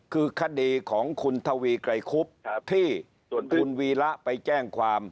คือคดีของททวีกรัยคุพย์ที่ตวีระอัมเกจแจ้งความ